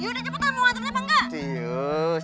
yaudah cepetan mau ngatur nya apa engga